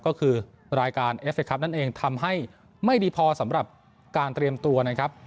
ก็คือรายการเอฟเคครับนั่นเองทำให้ไม่ดีพอสำหรับการเตรียมตัวนะครับ